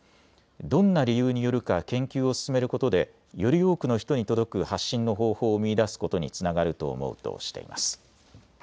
どんな理由によるか研究を進めることでより多くの人に届く発信の方法を見いだすことにつながると思うとしています。